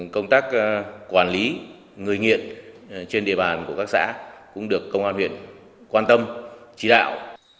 công an huyện quan tâm chỉ đạo